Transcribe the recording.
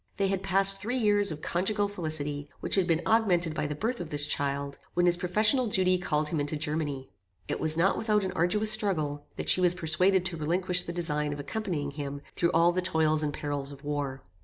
"They had passed three years of conjugal felicity, which had been augmented by the birth of this child; when his professional duty called him into Germany. It was not without an arduous struggle, that she was persuaded to relinquish the design of accompanying him through all the toils and perils of war.